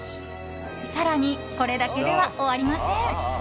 更にこれだけでは終わりません。